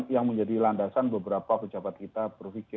yang menjadi landasan beberapa pejabat kita berpikir